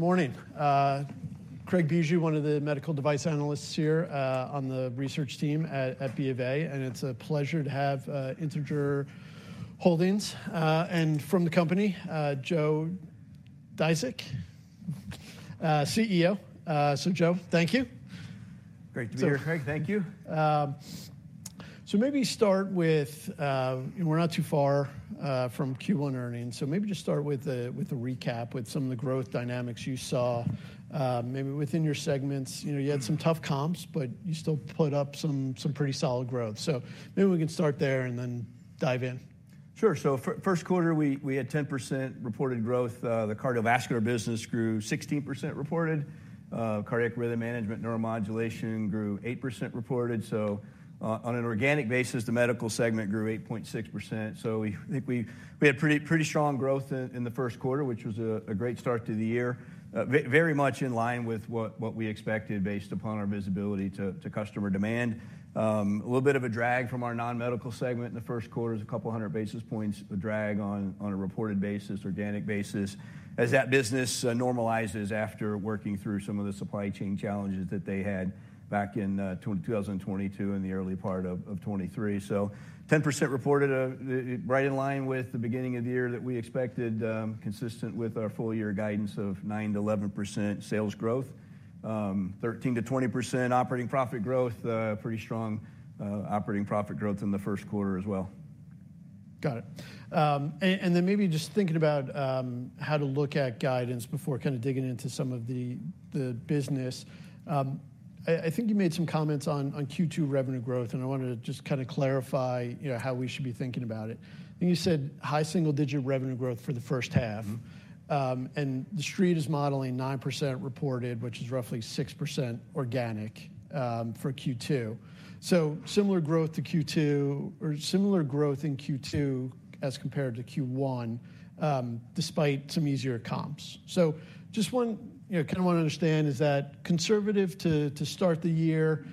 Good morning, Craig Bijou, one of the medical device analysts here on the research team at BofA, and it's a pleasure to have Integer Holdings. And from the company, Joe Dziedzic, CEO. So, Joe, thank you. Great to be here, Craig. Thank you. So maybe start with, we're not too far from Q1 earnings, so maybe just start with a recap, with some of the growth dynamics you saw, maybe within your segments. You know, you had some tough comps, but you still put up some pretty solid growth. So maybe we can start there and then dive in. Sure. So first quarter, we had 10% reported growth. The cardiovascular business grew 16% reported. Cardiac rhythm management, neuromodulation grew 8% reported. So, on an organic basis, the medical segment grew 8.6%. So we think we had pretty strong growth in the first quarter, which was a great start to the year. Very much in line with what we expected, based upon our visibility to customer demand. A little bit of a drag from our non-medical segment in the first quarter is a couple hundred basis points of drag on a reported basis, organic basis, as that business normalizes after working through some of the supply chain challenges that they had back in 2022 and the early part of 2023. So 10% reported, right in line with the beginning of the year that we expected, consistent with our full-year guidance of 9%-11% sales growth, 13%-20% operating profit growth, pretty strong operating profit growth in the first quarter as well. Got it. And then maybe just thinking about how to look at guidance before kind of digging into some of the business. I think you made some comments on Q2 revenue growth, and I wanted to just kind of clarify, you know, how we should be thinking about it. I think you said high single-digit revenue growth for the first half. Mm-hmm. And the street is modeling 9% reported, which is roughly 6% organic, for Q2. So similar growth to Q2 or similar growth in Q2 as compared to Q1, despite some easier comps. So just want, you know, kind of want to understand, is that conservative to, to start the year?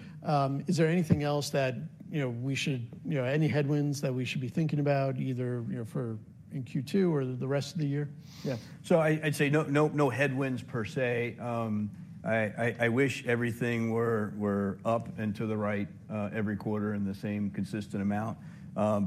Is there anything else that, you know, we should, You know, any headwinds that we should be thinking about, either, you know, for in Q2 or the rest of the year? Yeah. So I'd say, no, no, no headwinds per se. I wish everything were up and to the right every quarter in the same consistent amount.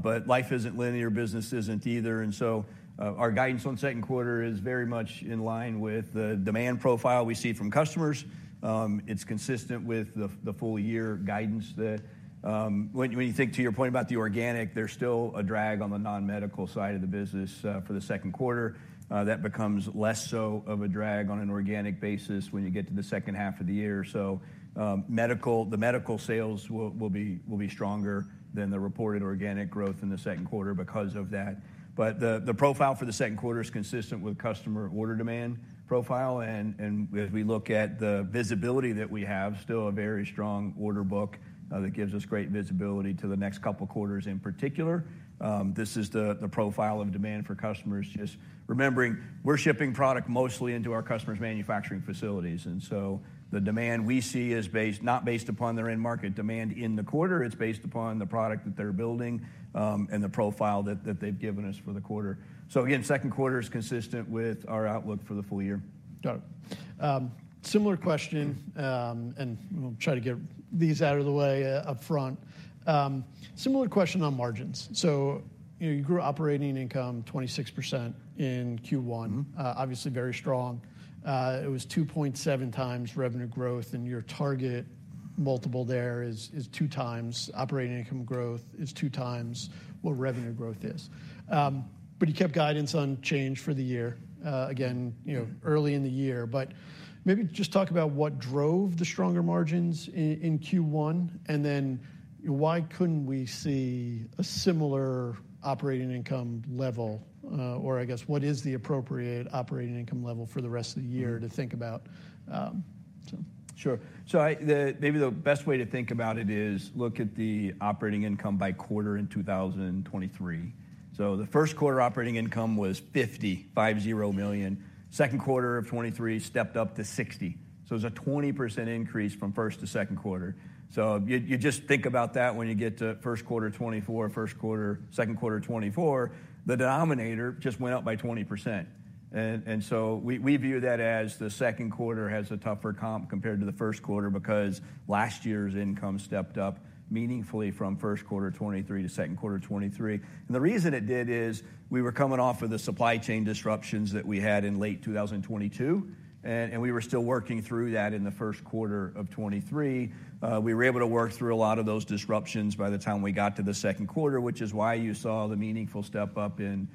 But life isn't linear, business isn't either, and so our guidance on second quarter is very much in line with the demand profile we see from customers. It's consistent with the full year guidance that, When you think to your point about the organic, there's still a drag on the non-medical side of the business for the second quarter. That becomes less so of a drag on an organic basis when you get to the second half of the year. So medical sales will be stronger than the reported organic growth in the second quarter because of that. But the profile for the second quarter is consistent with customer order demand profile, and as we look at the visibility that we have, still a very strong order book, that gives us great visibility to the next couple quarters. In particular, this is the profile of demand for customers. Just remembering, we're shipping product mostly into our customers' manufacturing facilities, and so the demand we see is not based upon their end market demand in the quarter. It's based upon the product that they're building, and the profile that they've given us for the quarter. So again, second quarter is consistent with our outlook for the full year. Got it. Similar question, and we'll try to get these out of the way, upfront. Similar question on margins. So, you know, you grew operating income 26% in Q1 Mm-hmm. Obviously very strong. It was 2.7x revenue growth, and your target multiple there is 2x operating income growth, 2x what revenue growth is. But you kept guidance unchanged for the year, again- Mm-hmm You know, early in the year. But maybe just talk about what drove the stronger margins in Q1, and then why couldn't we see a similar operating income level? Or I guess, what is the appropriate operating income level for the rest of the year? Mm-hmm to think about, so? Sure. So maybe the best way to think about it is look at the operating income by quarter in 2023. So the first quarter operating income was $55 million. Second quarter of 2023 stepped up to $60 million, so it's a 20% increase from first to second quarter. So you just think about that when you get to first quarter 2024, second quarter 2024, the denominator just went up by 20%. And so we view that as the second quarter has a tougher comp compared to the first quarter because last year's income stepped up meaningfully from first quarter 2023 to second quarter 2023. And the reason it did is, we were coming off of the supply chain disruptions that we had in late 2022, and we were still working through that in the first quarter of 2023. We were able to work through a lot of those disruptions by the time we got to the second quarter, which is why you saw the meaningful step up in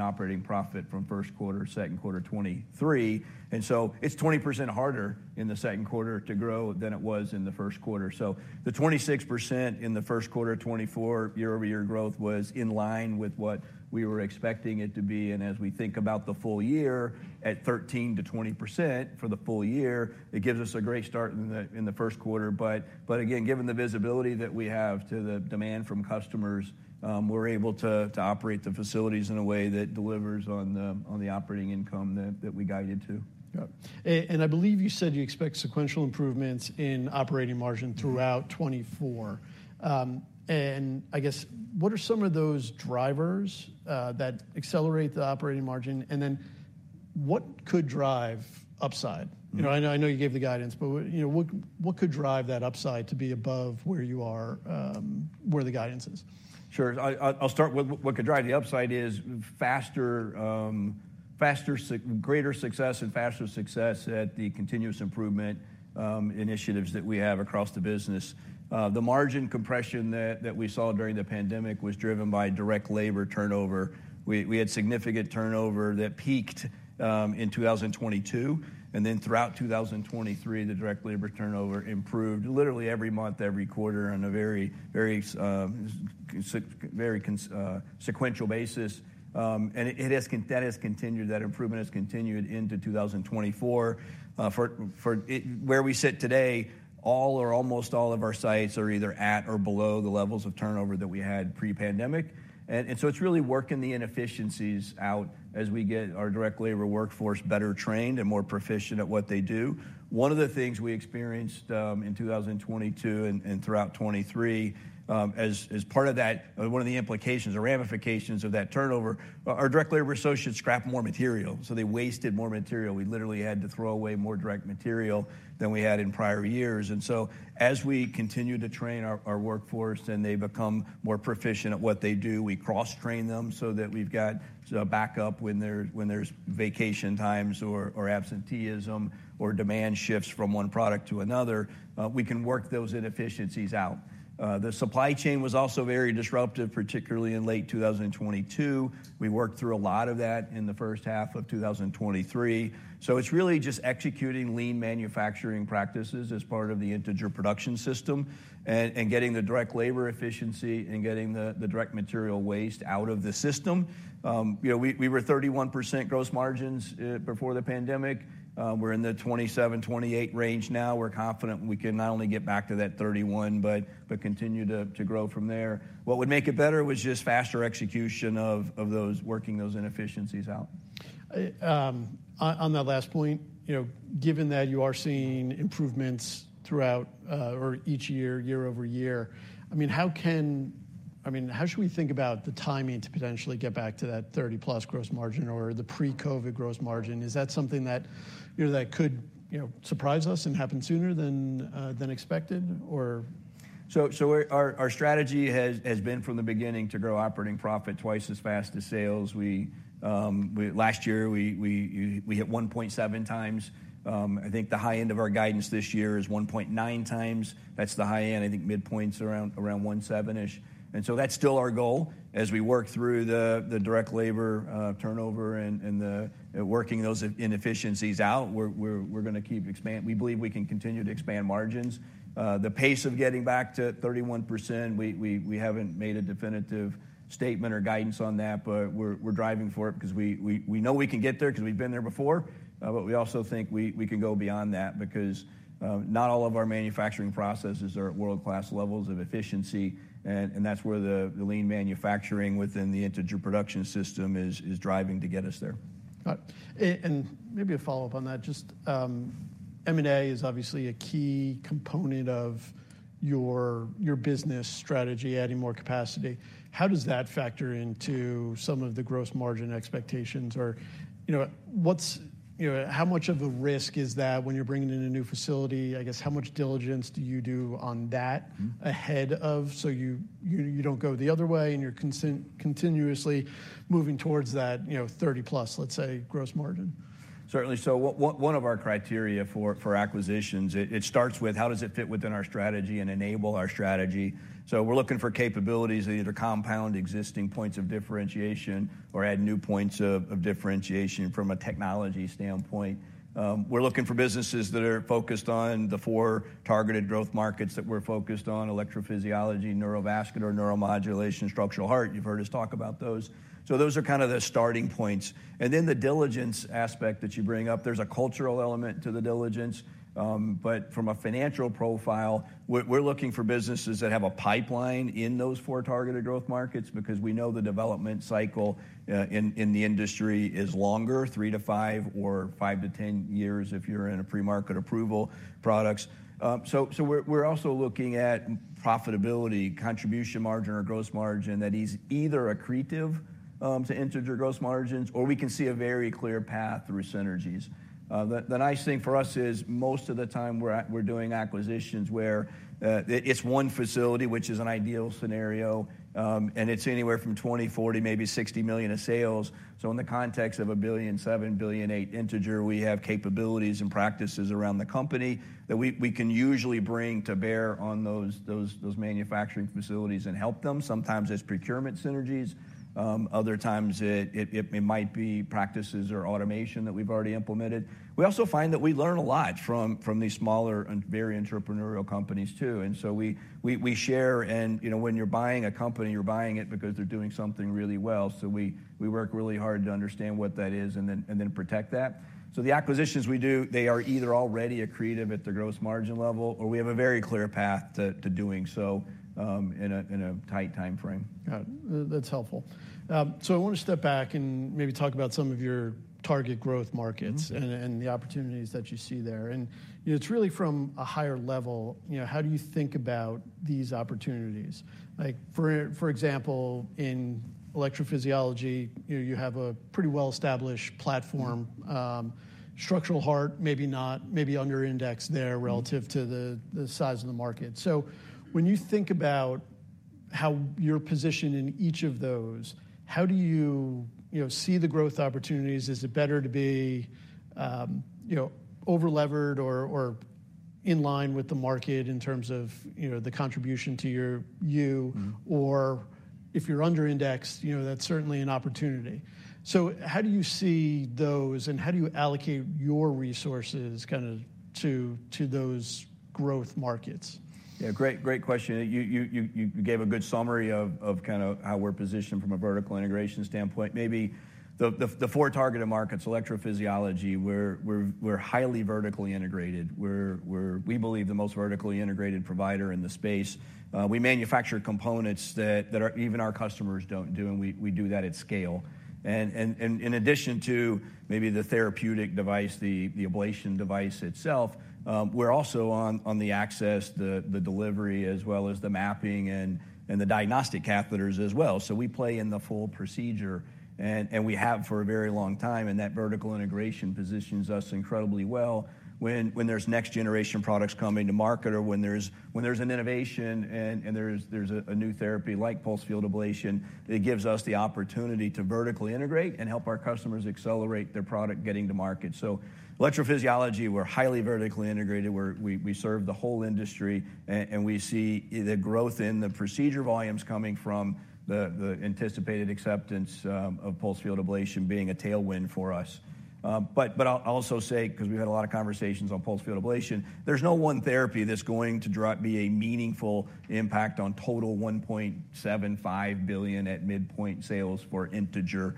operating profit from first quarter to second quarter 2023. And so it's 20% harder in the second quarter to grow than it was in the first quarter. So the 26% in the first quarter of 2024, year-over-year growth, was in line with what we were expecting it to be. As we think about the full year, at 13%-20% for the full year, it gives us a great start in the first quarter. But again, given the visibility that we have to the demand from customers, we're able to operate the facilities in a way that delivers on the operating income that we guided to. Yep. And I believe you said you expect sequential improvements in operating margin throughout 2024. And I guess, what are some of those drivers that accelerate the operating margin? And then, what could drive upside? You know, I know, I know you gave the guidance, but what, you know, what, what could drive that upside to be above where you are, where the guidance is? Sure. I'll start with what could drive the upside is faster, greater success and faster success at the continuous improvement initiatives that we have across the business. The margin compression that we saw during the pandemic was driven by direct labor turnover. We had significant turnover that peaked in 2022, and then throughout 2023, the direct labor turnover improved literally every month, every quarter on a very, very sequential basis. That improvement has continued into 2024. Where we sit today, all or almost all of our sites are either at or below the levels of turnover that we had pre-pandemic. So it's really working the inefficiencies out as we get our direct labor workforce better trained and more proficient at what they do. One of the things we experienced in 2022 and throughout 2023, as part of that, one of the implications or ramifications of that turnover, our direct labor associates scrapped more material, so they wasted more material. We literally had to throw away more direct material than we had in prior years. So as we continue to train our workforce and they become more proficient at what they do, we cross-train them so that we've got backup when there's vacation times or absenteeism, or demand shifts from one product to another, we can work those inefficiencies out. The supply chain was also very disruptive, particularly in late 2022. We worked through a lot of that in the first half of 2023. So it's really just executing lean manufacturing practices as part of the Integer Production System, and getting the direct labor efficiency and getting the direct material waste out of the system. You know, we were 31% gross margins before the pandemic. We're in the 27%-28% range now. We're confident we can not only get back to that 31%, but continue to grow from there. What would make it better was just faster execution of those, working those inefficiencies out. On that last point, you know, given that you are seeing improvements throughout or each year year-over-year, I mean, how should we think about the timing to potentially get back to that 30-plus gross margin or the pre-COVID gross margin? Is that something that, you know, that could, you know, surprise us and happen sooner than expected, or? So our strategy has been from the beginning to grow operating profit twice as fast as sales. Last year, we hit 1.7x. I think the high end of our guidance this year is 1.9x. That's the high end. I think midpoint's around 1.7x-ish. And so that's still our goal. As we work through the direct labor turnover and working those inefficiencies out, we believe we can continue to expand margins. The pace of getting back to 31%, we haven't made a definitive statement or guidance on that, but we're driving for it because we know we can get there 'cause we've been there before. But we also think we can go beyond that because not all of our manufacturing processes are at world-class levels of efficiency, and that's where the lean manufacturing within the Integer Production System is driving to get us there. Got it. And maybe a follow-up on that. Just, M&A is obviously a key component of your business strategy, adding more capacity. How does that factor into some of the gross margin expectations? Or, you know, what's, You know, how much of a risk is that when you're bringing in a new facility? I guess, how much diligence do you do on that? Mm-hmm ahead of, so you don't go the other way, and you're continuously moving towards that, you know, 30+%, let's say, gross margin? Certainly. So one of our criteria for acquisitions, it starts with: How does it fit within our strategy and enable our strategy? So we're looking for capabilities that either compound existing points of differentiation or add new points of differentiation from a technology standpoint. We're looking for businesses that are focused on the four targeted growth markets that we're focused on: electrophysiology, neurovascular, neuromodulation, structural heart. You've heard us talk about those. So those are kind of the starting points. The diligence aspect that you bring up, there's a cultural element to the diligence, but from a financial profile, we're looking for businesses that have a pipeline in those four targeted growth markets, because we know the development cycle in the industry is longer, three to five or five to 10 years, if you're in a pre-market approval products. So we're also looking at profitability, contribution margin or gross margin, that is either accretive to Integer gross margins, or we can see a very clear path through synergies. The nice thing for us is, most of the time, we're doing acquisitions where it's one facility, which is an ideal scenario, and it's anywhere from $20 million-$40 million, maybe $60 million of sales. So in the context of $1 billion, $7 billion, $8 billion Integer, we have capabilities and practices around the company that we can usually bring to bear on those manufacturing facilities and help them. Sometimes it's procurement synergies, other times it might be practices or automation that we've already implemented. We also find that we learn a lot from these smaller and very entrepreneurial companies, too. And so we share, and you know, when you're buying a company, you're buying it because they're doing something really well. So we work really hard to understand what that is and then protect that. So the acquisitions we do, they are either already accretive at the gross margin level, or we have a very clear path to doing so in a tight timeframe. Got it. That's helpful. So I want to step back and maybe talk about some of your target growth markets- Mm-hmm and the opportunities that you see there. You know, it's really from a higher level, you know, how do you think about these opportunities? Like, for example, in electrophysiology, you have a pretty well established platform. Mm-hmm. Structural Heart, maybe not, maybe under index there Mm-hmm relative to the size of the market. So when you think about how your position in each of those, how do you, you know, see the growth opportunities? Is it better to be, you know, over-levered or in line with the market in terms of, you know, the contribution to your you? Mm-hmm. Or if you're under-indexed, you know, that's certainly an opportunity. So how do you see those, and how do you allocate your resources kinda to, to those growth markets? Yeah, great, great question. You gave a good summary of kinda how we're positioned from a vertical integration standpoint. Maybe the four targeted markets, electrophysiology, we're highly vertically integrated. We're, we believe, the most vertically integrated provider in the space. We manufacture components that even our customers don't do, and we do that at scale. And in addition to maybe the therapeutic device, the ablation device itself, we're also on the access, the delivery, as well as the mapping and the diagnostic catheters as well. So we play in the full procedure, and we have for a very long time, and that vertical integration positions us incredibly well. When there's next-generation products coming to market or when there's an innovation and there's a new therapy, like Pulsed Field Ablation, it gives us the opportunity to vertically integrate and help our customers accelerate their product getting to market. So electrophysiology, we're highly vertically integrated, we're. We serve the whole industry, and we see the growth in the procedure volumes coming from the anticipated acceptance of Pulsed Field Ablation being a tailwind for us. But I'll also say, because we had a lot of conversations on Pulsed Field Ablation, there's no one therapy that's going to be a meaningful impact on total $1.75 billion at midpoint sales for Integer,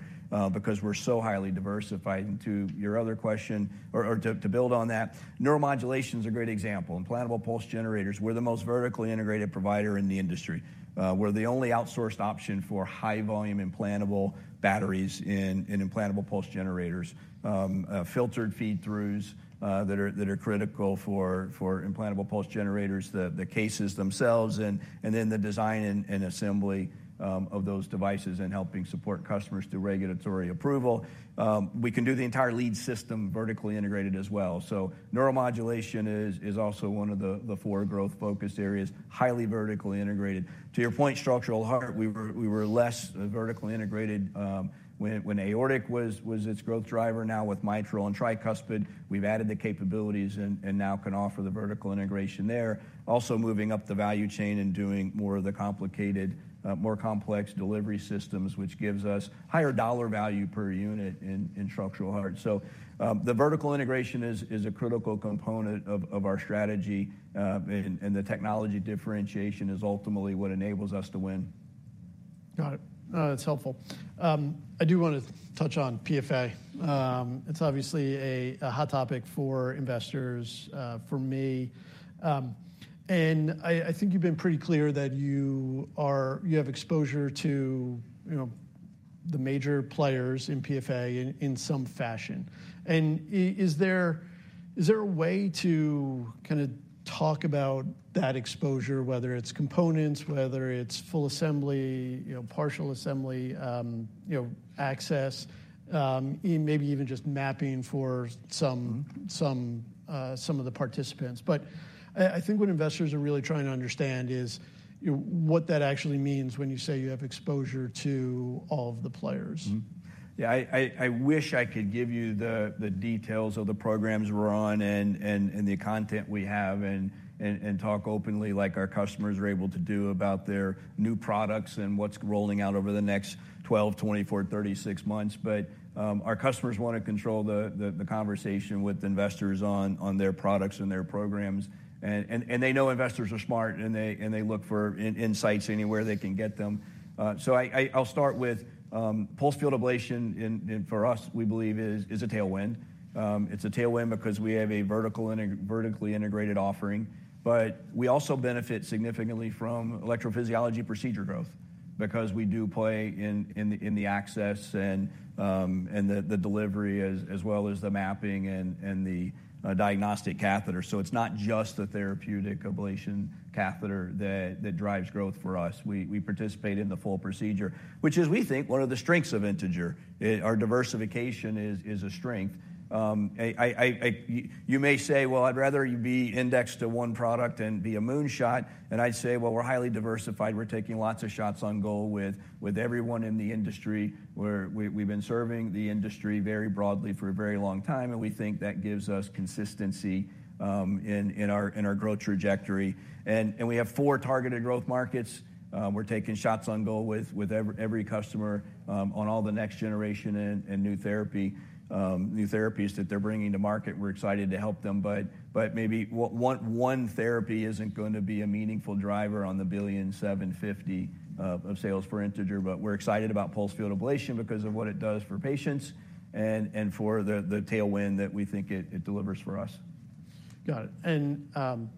because we're so highly diversified. And to your other question, or to build on that, neuromodulation is a great example. Implantable Pulse Generators, we're the most vertically integrated provider in the industry. We're the only outsourced option for high-volume implantable batteries in Implantable Pulse Generators, filtered feed-throughs that are critical for Implantable Pulse Generators, the cases themselves, and then the design and assembly of those devices and helping support customers through regulatory approval. We can do the entire lead system vertically integrated as well. So Neuromodulation is also one of the four growth focus areas, highly vertically integrated. To your point, Structural Heart, we were less vertically integrated when Aortic was its growth driver. Now, with Mitral and Tricuspid, we've added the capabilities and now can offer the vertical integration there. Also moving up the value chain and doing more of the complicated, more complex delivery systems, which gives us higher dollar value per unit in Structural Heart. So, the vertical integration is a critical component of our strategy, and the technology differentiation is ultimately what enables us to win. Got it. That's helpful. I do want to touch on PFA. It's obviously a hot topic for investors, for me. And I think you've been pretty clear that you have exposure to, you know, the major players in PFA in some fashion. And is there a way to kinda talk about that exposure, whether it's components, whether it's full assembly, you know, partial assembly, you know, access, maybe even just mapping for some Mm-hmm some of the participants? But I think what investors are really trying to understand is, you know, what that actually means when you say you have exposure to all of the players. Yeah, I wish I could give you the details of the programs we're on and the content we have, and talk openly, like our customers are able to do about their new products and what's rolling out over the next 12, 24, 36 months. But our customers want to control the conversation with investors on their products and their programs. And they know investors are smart, and they look for insights anywhere they can get them. So I'll start with pulsed field ablation and for us, we believe it's a tailwind. It's a tailwind because we have a vertically integrated offering. But we also benefit significantly from electrophysiology procedure growth, because we do play in the access and the delivery, as well as the mapping and the diagnostic catheter. So it's not just the therapeutic ablation catheter that drives growth for us. We participate in the full procedure, which is, we think, one of the strengths of Integer. Our diversification is a strength. You may say, "Well, I'd rather you be indexed to one product and be a moonshot." And I'd say, "Well, we're highly diversified. We're taking lots of shots on goal with everyone in the industry, where we've been serving the industry very broadly for a very long time, and we think that gives us consistency in our growth trajectory." And we have four targeted growth markets, we're taking shots on goal with every customer on all the next generation and new therapies that they're bringing to market. We're excited to help them. But maybe one therapy isn't going to be a meaningful driver on the $1.75 billion of sales per Integer. But we're excited about Pulsed Field Ablation because of what it does for patients and for the tailwind that we think it delivers for us. Got it. And,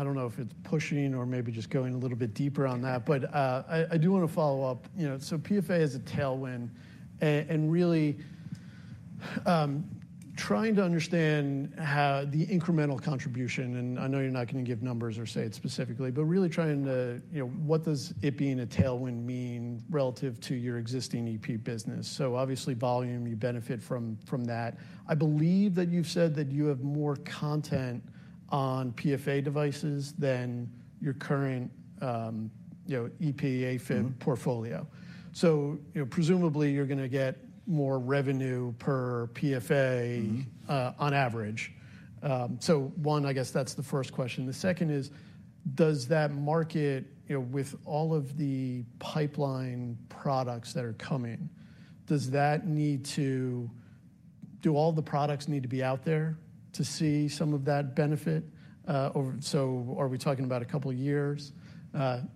I don't know if it's pushing or maybe just going a little bit deeper on that, but, I do want to follow up. You know, so PFA is a tailwind, and really trying to understand how the incremental contribution, and I know you're not gonna give numbers or say it specifically, but really trying to, you know, what does it being a tailwind mean relative to your existing EP business? So obviously, volume, you benefit from that. I believe that you've said that you have more content on PFA devices than your current, you know, EP AFib portfolio. So, you know, presumably you're gonna get more revenue per PFA- Mm-hmm. On average. So one, I guess that's the first question. The second is: Does that market, you know, with all of the pipeline products that are coming, do all the products need to be out there to see some of that benefit? Or so, are we talking about a couple of years?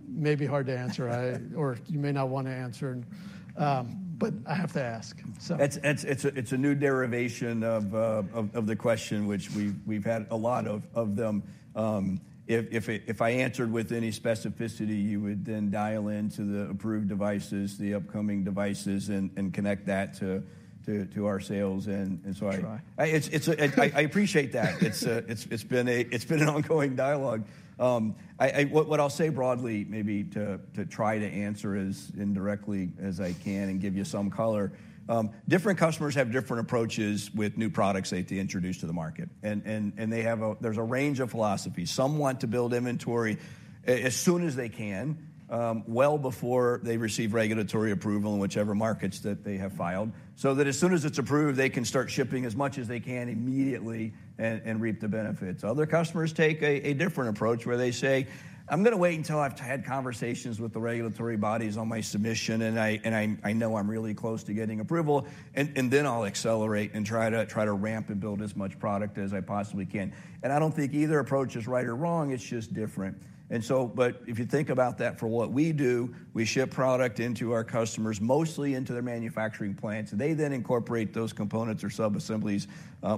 Maybe hard to answer, or you may not want to answer, but I have to ask, so. It's a new derivation of the question, which we've had a lot of them. If I answered with any specificity, you would then dial into the approved devices, the upcoming devices, and connect that to our sales, and so I I try. I appreciate that. It's been an ongoing dialogue. I'll say broadly, maybe to try to answer as indirectly as I can and give you some color. Different customers have different approaches with new products they introduce to the market, and they have a range of philosophies. Some want to build inventory as soon as they can, well before they receive regulatory approval in whichever markets that they have filed, so that as soon as it's approved, they can start shipping as much as they can immediately and reap the benefits. Other customers take a different approach, where they say: "I'm gonna wait until I've had conversations with the regulatory bodies on my submission, and I know I'm really close to getting approval, and then I'll accelerate and try to ramp and build as much product as I possibly can." And I don't think either approach is right or wrong, it's just different. But if you think about that for what we do, we ship product into our customers, mostly into their manufacturing plants. They then incorporate those components or subassemblies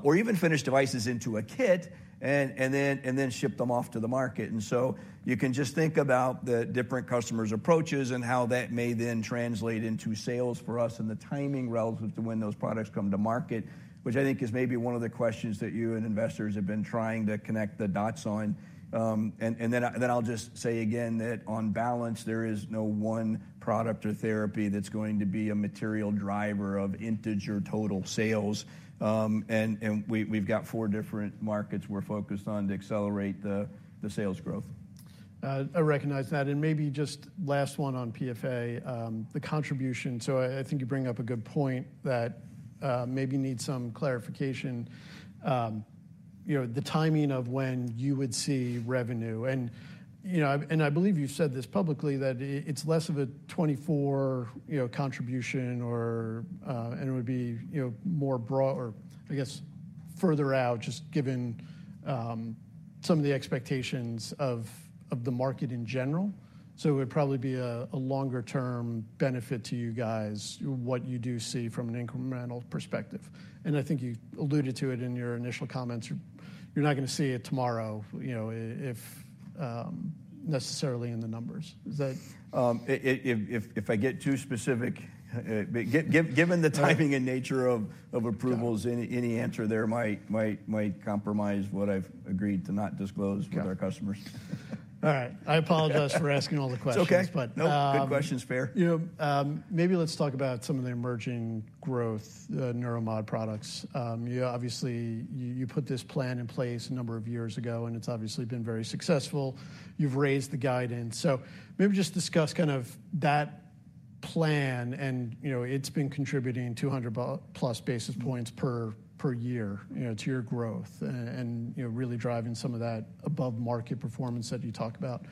or even finish devices into a kit, and then ship them off to the market. And so you can just think about the different customers' approaches and how that may then translate into sales for us and the timing relative to when those products come to market, which I think is maybe one of the questions that you and investors have been trying to connect the dots on. And then I'll just say again that on balance, there is no one product or therapy that's going to be a material driver of Integer total sales. And we've got four different markets we're focused on to accelerate the sales growth. I recognize that. And maybe just last one on PFA, the contribution. So I, I think you bring up a good point that, maybe needs some clarification. You know, the timing of when you would see revenue and, you know, and I believe you've said this publicly, that it's less of a 2024, you know, contribution or. And it would be, you know, more broad or, I guess, further out, just given, some of the expectations of, of the market in general. So it would probably be a, a longer-term benefit to you guys, what you do see from an incremental perspective, and I think you alluded to it in your initial comments. You're not gonna see it tomorrow, you know, if, necessarily in the numbers. Is that If I get too specific, but give Right given the timing and nature of approvals- Got it any answer there might compromise what I've agreed to not disclose- Got it with our customers. All right, I apologize for asking all the questions. It's okay. But, um No, good question. It's fair. You know, maybe let's talk about some of the emerging growth, neuromodulation products. You obviously, you put this plan in place a number of years ago, and it's obviously been very successful. You've raised the guidance. So maybe just discuss kind of that plan, and, you know, it's been contributing 200+ basis points per year, you know, to your growth and, you know, really driving some of that above-market performance that you talked about.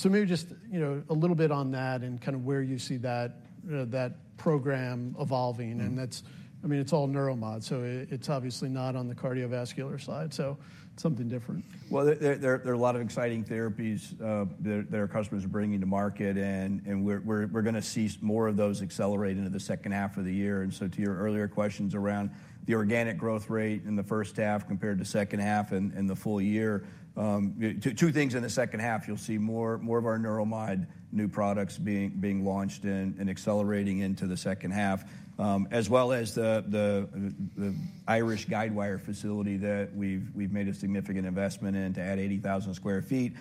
So maybe just, you know, a little bit on that and kind of where you see that, that program evolving. Mm. And that's, I mean, it's all Neuromod, so it's obviously not on the cardiovascular side, so something different. Well, there are a lot of exciting therapies that our customers are bringing to market, and we're gonna see more of those accelerate into the second half of the year. And so to your earlier questions around the organic growth rate in the first half compared to second half and the full year, two things in the second half: You'll see more of our Neuromod new products being launched and accelerating into the second half. As well as the Irish guidewire facility that we've made a significant investment in to add 80,000 sq ft.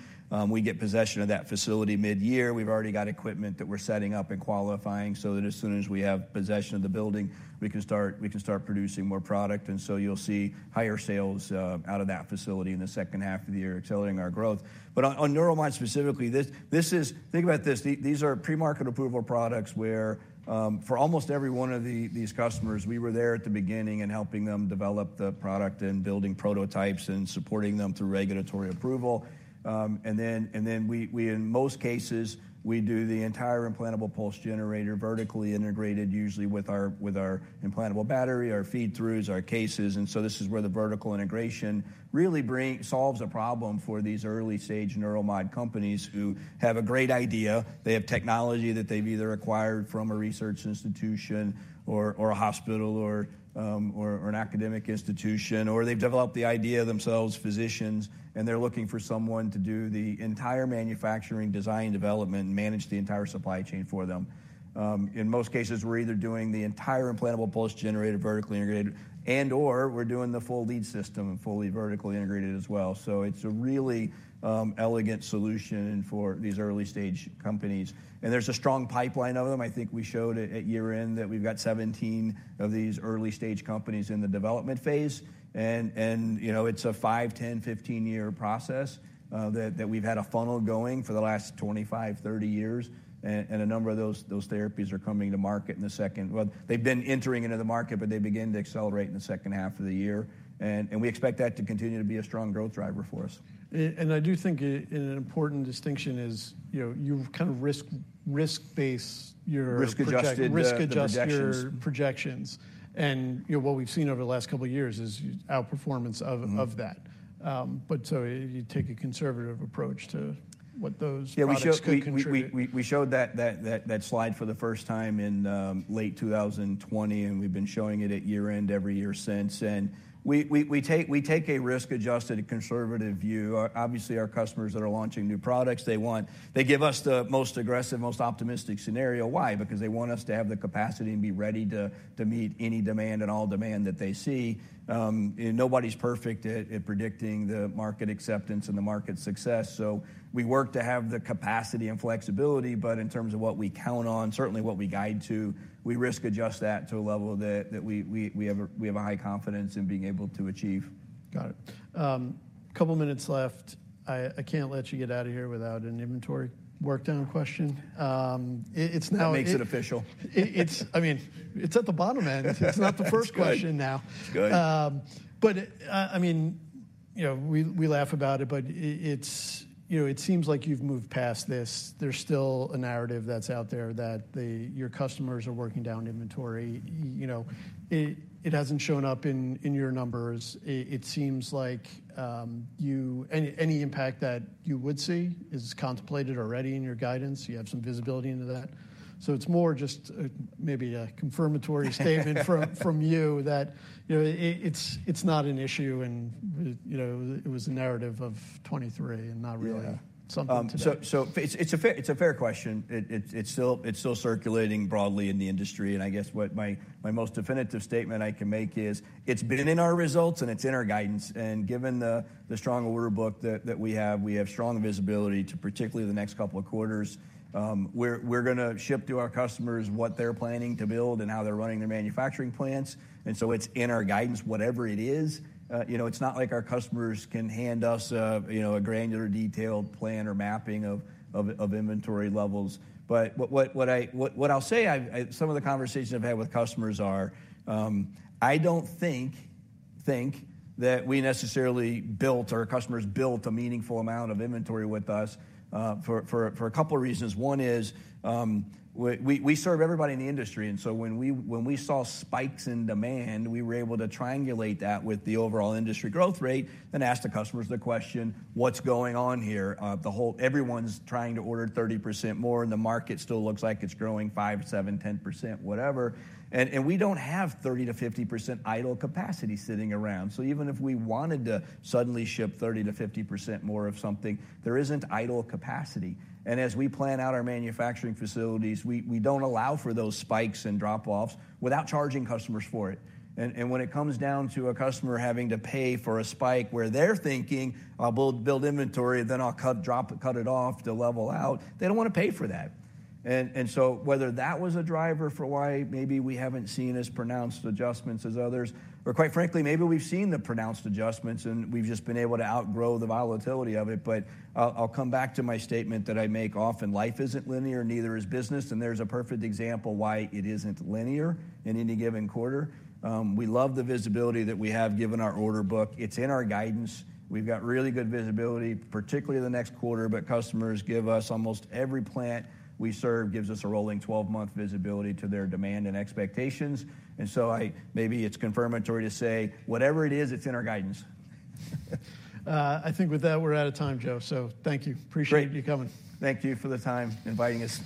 We get possession of that facility mid-year. We've already got equipment that we're setting up and qualifying so that as soon as we have possession of the building, we can start producing more product. And so you'll see higher sales out of that facility in the second half of the year, accelerating our growth. But on neuromodulation specifically, this is, Think about this, these are pre-market approval products where, for almost every one of these customers, we were there at the beginning and helping them develop the product and building prototypes and supporting them through regulatory approval. And then, in most cases, we do the entire implantable pulse generator, vertically integrated, usually with our implantable battery, our feed-throughs, our cases. And so this is where the vertical integration really solves a problem for these early-stage neuromodulation companies who have a great idea. They have technology that they've either acquired from a research institution or a hospital or an academic institution, or they've developed the idea themselves, physicians, and they're looking for someone to do the entire manufacturing, design, development, manage the entire supply chain for them. In most cases, we're either doing the entire implantable pulse generator, vertically integrated, and/or we're doing the full lead system, and fully vertically integrated as well. So it's a really elegant solution for these early-stage companies, and there's a strong pipeline of them. I think we showed at year end that we've got 17 of these early-stage companies in the development phase, and you know, it's a five, 10, 15-year process that we've had a funnel going for the last 25, 30 years. A number of those therapies are coming to market in the second, Well, they've been entering into the market, but they began to accelerate in the second half of the year, and we expect that to continue to be a strong growth driver for us. I do think an important distinction is, you know, you've kind of risk-based your Risk-adjusted the projections. Risk-adjust your projections. You know, what we've seen over the last couple of years is outperformance of, Mm-hmm of that. But so you take a conservative approach to what those products could contribute. Yeah, we showed that slide for the first time in late 2020, and we've been showing it at year-end every year since. And we take a risk-adjusted conservative view. Obviously, our customers that are launching new products, they want. They give us the most aggressive, most optimistic scenario. Why? Because they want us to have the capacity and be ready to meet any demand and all demand that they see. And nobody's perfect at predicting the market acceptance and the market success. So we work to have the capacity and flexibility, but in terms of what we count on, certainly what we guide to, we risk-adjust that to a level that we have a high confidence in being able to achieve. Got it. Couple of minutes left. I can't let you get out of here without an inventory work down question. It's now That makes it official. It's, I mean, it's at the bottom end. That's good. It's not the first question now. It's good. But I mean, you know, we laugh about it, but it's, You know, it seems like you've moved past this. There's still a narrative that's out there that your customers are working down inventory. You know, it hasn't shown up in your numbers. It seems like you, Any impact that you would see is contemplated already in your guidance. You have some visibility into that. So it's more just maybe a confirmatory statement from you that, you know, it's not an issue, and you know, it was a narrative of 2023 and not really- Yeah. something today. So it's a fair question. It's still circulating broadly in the industry, and I guess what my most definitive statement I can make is, it's been in our results, and it's in our guidance, and given the strong order book that we have, we have strong visibility to particularly the next couple of quarters. We're gonna ship to our customers what they're planning to build and how they're running their manufacturing plants, and so it's in our guidance, whatever it is. You know, it's not like our customers can hand us a granular, detailed plan or mapping of inventory levels. But what I'll say, I, Some of the conversations I've had with customers are, I don't think that we necessarily built or our customers built a meaningful amount of inventory with us, for a couple of reasons. One is, we serve everybody in the industry, and so when we saw spikes in demand, we were able to triangulate that with the overall industry growth rate and ask the customers the question: What's going on here? Everyone's trying to order 30% more, and the market still looks like it's growing 5%, 7%, 10%, whatever, and we don't have 30%-50% idle capacity sitting around. So even if we wanted to suddenly ship 30%-50% more of something, there isn't idle capacity. And as we plan out our manufacturing facilities, we don't allow for those spikes and drop-offs without charging customers for it. And when it comes down to a customer having to pay for a spike where they're thinking, "I'll build inventory, then I'll cut, drop it off to level out," they don't wanna pay for that. And so whether that was a driver for why maybe we haven't seen as pronounced adjustments as others, or quite frankly, maybe we've seen the pronounced adjustments, and we've just been able to outgrow the volatility of it. But I'll come back to my statement that I make often: Life isn't linear, neither is business, and there's a perfect example why it isn't linear in any given quarter. We love the visibility that we have, given our order book. It's in our guidance. We've got really good visibility, particularly the next quarter, but customers give us almost every plant we serve, gives us a rolling 12-month visibility to their demand and expectations. So I maybe it's confirmatory to say: Whatever it is, it's in our guidance. I think with that, we're out of time, Joe, so thank you. Great. Appreciate you coming. Thank you for the time, inviting us.